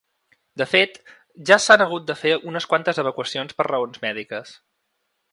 De fet, ja s’han hagut de fer unes quantes evacuacions per raons mèdiques.